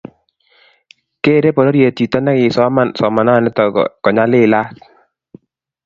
Kerei pororiet chito nikasoman somananito ko kopnyalilyat